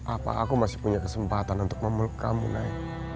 apa aku masih punya kesempatan untuk memuluk kamu nay